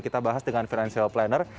kita bahas dengan financial planner